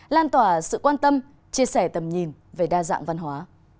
lan tỏa sự quan tâm chia sẻ tầm nhìn về đa dạng văn hóa